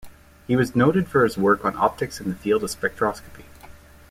He was noted for his work on optics and the field of spectroscopy.